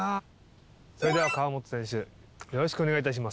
それでは河本選手よろしくお願いいたします。